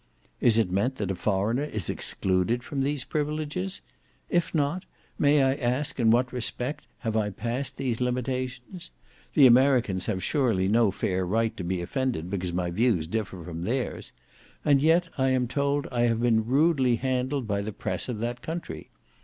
Is it meant that a foreigner is excluded from these privileges? If not, may I ask, in what respect have I passed these limitations? The Americans have surely no fair right to be offended because my views differ from their's; and yet I am told I have been rudely handled by the press of that country.